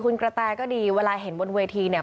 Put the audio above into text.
คุณกระแตก็ดีเวลาเห็นบนเวทีเนี่ย